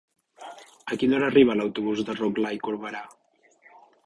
A quina hora arriba l'autobús de Rotglà i Corberà?